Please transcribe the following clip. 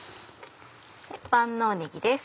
万能ねぎです。